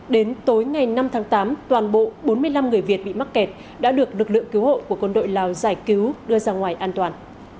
đến tối ngày năm tháng tám toàn bộ bốn mươi năm người việt bị mắc kẹt đã được lực lượng cứu hộ của quân đội lào giải cứu đưa ra ngoài an toàn